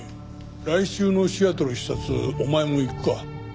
来週のシアトル視察お前も行くか？